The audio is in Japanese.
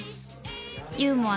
ユーモア